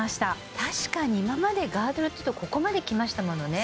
確かに今までガードルっていうとここまできましたものね